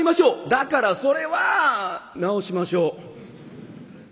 「だからそれは治しましょう。